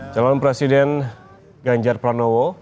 calon presiden ganjar pranowo